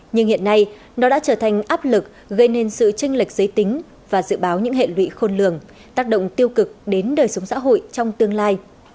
nhưng hiện nay nó đã trở thành áp lực gây nên sự tranh lệch giới tính và dự báo những hệ lụy khôn lường tác động tiêu cực đến đời sống xã hội trong tương lai